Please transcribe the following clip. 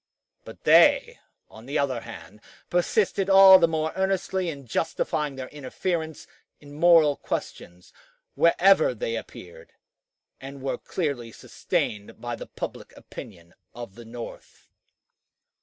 But they, on the other hand, persisted all the more earnestly in justifying their interference in moral questions wherever they appeared, and were clearly sustained by the public opinion of the North.